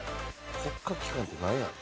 国家機関ってなんや？